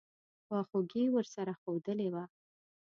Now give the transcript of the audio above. خواخوږي ورسره ښودلې وه.